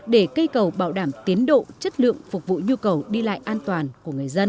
để cây cầu bảo đảm tiến độ chất lượng phục vụ nhu cầu đi lại an toàn của người dân